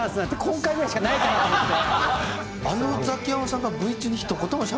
今回ぐらいしかないかなと思って。